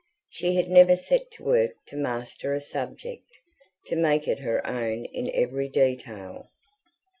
She had never set to work to master a subject, to make it her own in every detail.